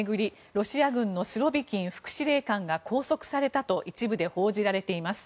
ロシア軍のスロビキン副司令官が拘束されたと一部で報じられています。